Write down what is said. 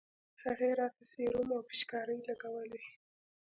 هغې راته سيروم او پيچکارۍ لګولې.